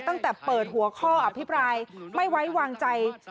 ตั้งแต่เปิดหัวข้ออภิปรายไม่ไว้วางใจ